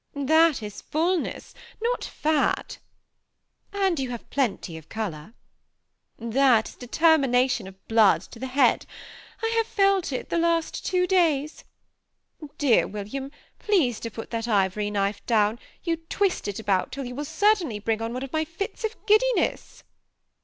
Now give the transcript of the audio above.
"" That is fulness, not fat." "And you have plenty of color." ^ That is determination of blood to the head : I have felt it the two last days. Dear William, please to put that ivory knife down ; you twist it about till you will certainly bring on one of my fits of giddi ness."